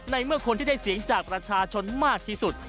ในเมื่อคนที่ได้เสียงจากประชาชนมากที่สุด